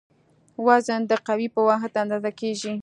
وزن د قوې په واحد اندازه کېږي.